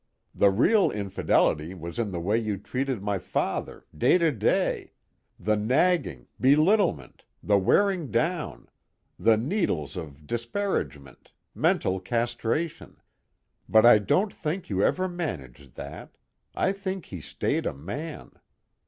The real infidelity was in the way you treated my father, day to day, the nagging, belittlement, the wearing down, little needles of disparagement, mental castration but I don't think you ever managed that, I think he stayed a man.